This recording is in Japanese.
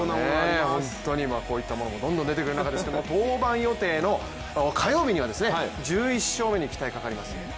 こういったものもどんどん出てくるんですが登板予定の火曜日には１１勝目に期待がかかります。